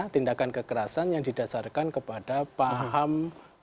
tindakan kekerasan yang didasarkan kepada paham